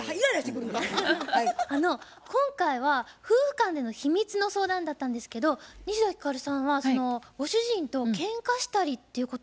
今回は夫婦間での秘密の相談だったんですけど西田ひかるさんはご主人とけんかしたりっていうことあるんですか？